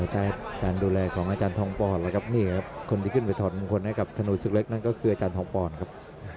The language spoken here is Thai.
ใต้การดูแลของอาจารย์ทองฟรครับนี่ครับ